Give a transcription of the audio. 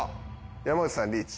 山内さんリーチ。